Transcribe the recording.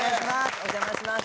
お邪魔します。